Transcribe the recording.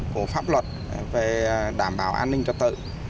của pháp luật về đảm bảo an ninh trật tự